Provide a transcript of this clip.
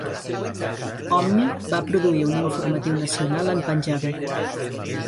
Omni va produir un informatiu nacional en panjabi.